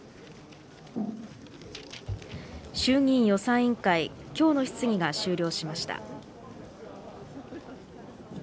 衆議院予算委員会、きょうの質疑が終了しました。